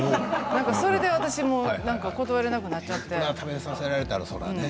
それで私も断れなくなっちゃってね。